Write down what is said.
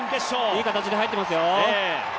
いい形で入ってますよ。